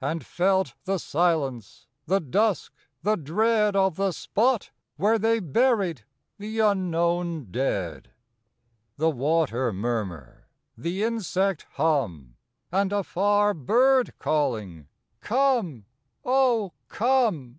And felt the silence, the dusk, the dread Of the spot where they buried the unknown dead. The water murmur, the insect hum, And a far bird calling, _Come, oh, come!